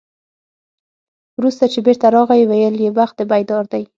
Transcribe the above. وروسته چې بېرته راغی، ویل یې بخت دې بیدار دی.